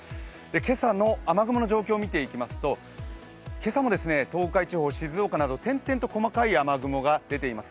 今朝の雨雲の状況を見ていきますと今朝も東海地方、静岡など静岡など点々と細かい雨雲が出ています。